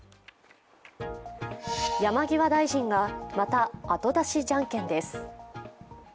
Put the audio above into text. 山際大臣がまた後出しじゃんけんです。